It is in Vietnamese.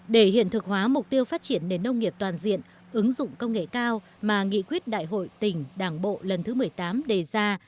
để hiện thực hóa mục tiêu phát triển nền nông nghiệp toàn diện ứng dụng công nghệ cao mà nghị quyết đại hội tỉnh đảng bộ lần thứ một mươi tám đề ra